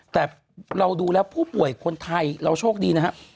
แต่เราดูแล้วผู้ป่วยคนไทยเราโชคดีนะครับ